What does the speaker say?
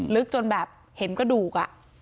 ลึกจนแบบเห็นกระดูก